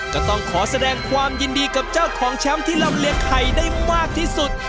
ก็ต้องขอแสดงความยินดีกับเจ้าของแชมป์ที่ลำเลียงไข่ได้มากที่สุด